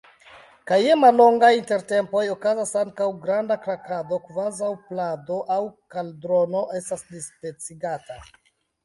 Kaj je mallongaj intertempoj okazas ankaŭ granda krakado. kvazaŭ plado aŭ kaldrono estas dispecigata.